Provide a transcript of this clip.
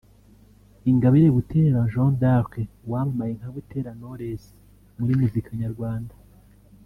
Ingabire Butera J’ean D’Arc wamamaye nka Butera Knowless muri muzika Nyarwanda